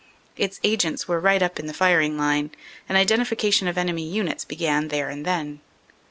Its agents were right up in the firing line, and identification of enemy units began there and then.